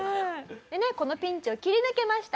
でねこのピンチを切り抜けました。